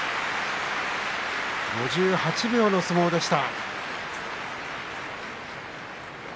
５８秒の相撲でした。